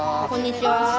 こんにちは。